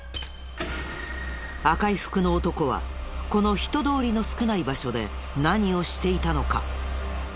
赤い服の男はこの人通りの少ない場所で何をしていたのか？